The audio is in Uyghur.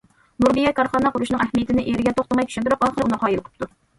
نۇربىيە كارخانا قۇرۇشنىڭ ئەھمىيىتىنى ئېرىگە توختىماي چۈشەندۈرۈپ، ئاخىرى ئۇنى قايىل قىپتۇ.